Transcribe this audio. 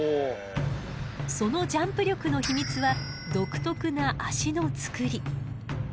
そのジャンプ力の秘密は独特な脚のつくり。